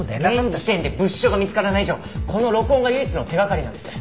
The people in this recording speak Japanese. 現時点で物証が見つからない以上この録音が唯一の手掛かりなんです。